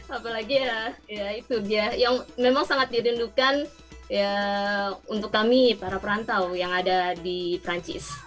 apalagi ya itu dia yang memang sangat didendukan untuk kami para perantau yang ada di perancis